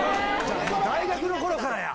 大学の頃からや。